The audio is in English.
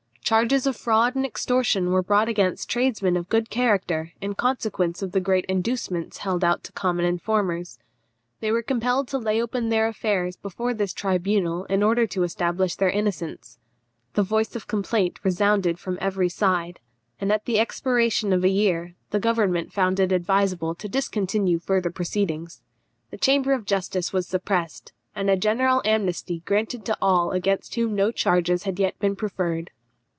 Charges of fraud and extortion were brought against tradesmen of good character in consequence of the great inducements held out to common informers. They were compelled to lay open their affairs before this tribunal in order to establish their innocence. The voice of complaint resounded from every side; and at the expiration of a year the government found it advisable to discontinue further proceedings. The Chamber of Justice was suppressed, and a general amnesty granted to all against whom no charges had yet been preferred.